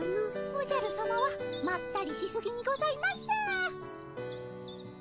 おじゃるさまはまったりしすぎにございます。